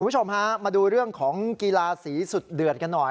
คุณผู้ชมฮะมาดูเรื่องของกีฬาสีสุดเดือดกันหน่อย